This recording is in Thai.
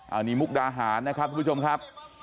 เอานี่มุกดาหารนะครับผู้ชมครับ